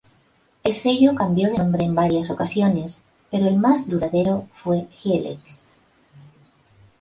El sello cambió de nombre en varias ocasiones, pero el más duradero fue Helix.